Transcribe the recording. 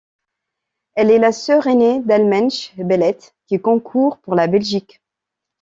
Elle est la sœur ainée d'Almensh Belete qui concourt pour la Belgique.